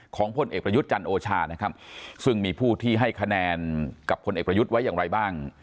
พลเอกประยุทธ์จันทร์โอชานะครับซึ่งมีผู้ที่ให้คะแนนกับพลเอกประยุทธ์ไว้อย่างไรบ้าง